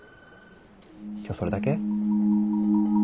今日それだけ？